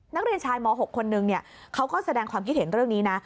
นักเรียนชายม๖คนนึงเขาก็แสดงความคิดเห็นเรื่องนี้นะ